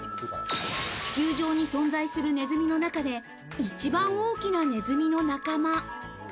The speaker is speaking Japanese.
地球上に存在するねずみの中で一番大きなねずみの仲間。